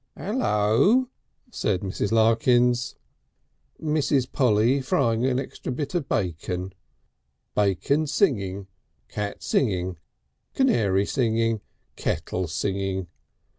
"Ello!" said Mrs. Larkins. "Mrs. Polly frying an extra bit of bacon. Bacon singing, cat singing, canary singing. Kettle singing.